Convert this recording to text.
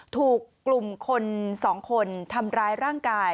ถูกกลุ่มคน๒คนทำร้ายร่างกาย